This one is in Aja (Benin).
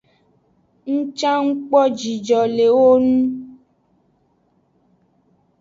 Ng can ng kpo jijo le ewo ngu.